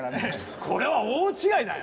これは大違いだよ。